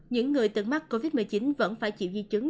những người từng mắc covid một mươi chín vẫn phải chịu di chứng